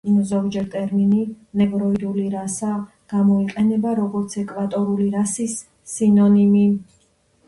ზოგჯერ ტერმინი „ნეგროიდული რასა“ გამოიყენება, როგორც ეკვატორული რასის სინონიმი.